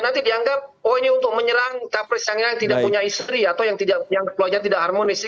nanti dianggap oh ini untuk menyerang capres yang tidak punya istri atau yang keluarga tidak harmonis